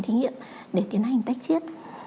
phòng thí nghiệm để tiến hành tách chết